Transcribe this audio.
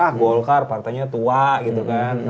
wah golkar partainya tua gitu kan